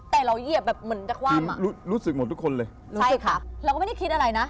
แต่เราเหยียบแบบเหมือนจะคว่ำอ่ะใช่ค่ะเราก็ไม่ได้คิดอะไรนะ